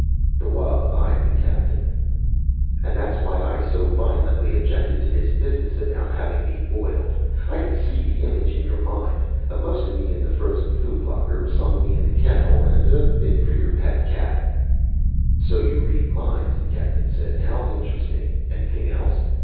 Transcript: The wub eyed the Captain. "And that's why I so violently objected to this business about having me boiled. I could see the image in your mind most of me in the frozen food locker, some of me in the kettle, a bit for your pet cat " "So you read minds?" the Captain said. "How interesting. Anything else?